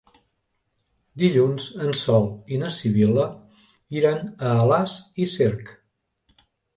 Dilluns en Sol i na Sibil·la iran a Alàs i Cerc.